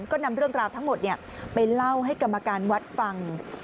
ก็นำเรื่องราวทั้งหมดไปเล่าให้กรรมการวัดฟัง